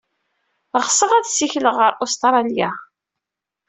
Ɣseɣ ad ssikleɣ ɣer Ustṛalya.